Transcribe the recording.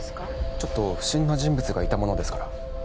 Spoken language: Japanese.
ちょっと不審な人物がいたものですからえっ？